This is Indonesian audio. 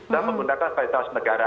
saya menggunakan spaitas negara